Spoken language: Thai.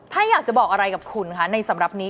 ถ้าอยากจะบอกอะไรกับคุณคะในสำหรับนี้